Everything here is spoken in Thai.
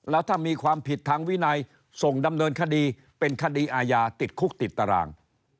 แล้วถ้ามีความผิดทางวินัยส่งดำเนินคดีเป็นคดีอาญาติดคุกติดตาราง